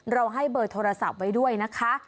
ให้เบอร์โทรศัพท์ไว้ด้วยนะคะ